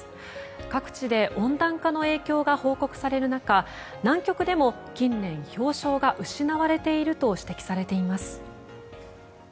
各地で温暖化の影響が報告される中南極でも近年、氷床が失われていると指摘されています。